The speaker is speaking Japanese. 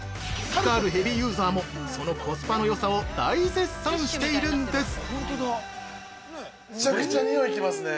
ピカールヘビーユーザーもそのコスパのよさを大絶賛しているんです！